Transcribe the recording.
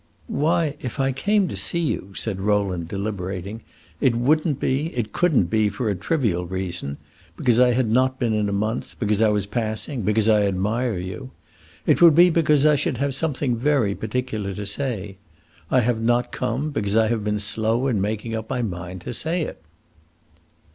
"Why, if I came to see you," said Rowland, deliberating, "it would n't be, it could n't be, for a trivial reason because I had not been in a month, because I was passing, because I admire you. It would be because I should have something very particular to say. I have not come, because I have been slow in making up my mind to say it."